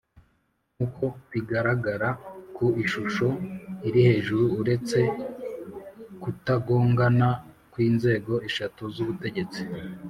Nk uko bigaragara ku ishusho iri hejuru uretse kutagongana kw inzego eshatu z ubutegetsi